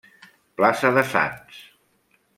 Plaça de Sants.